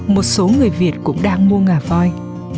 một số người việt cũng đang mua ngả voi